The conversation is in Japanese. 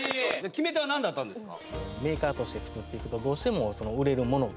決め手は何だったんですか？